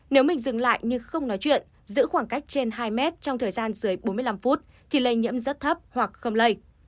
nếu mình dừng lại như không nói chuyện giữ khoảng cách trên hai mét trong thời gian dưới bốn mươi năm phút thì lây nhiễm rất thấp hoặc không lây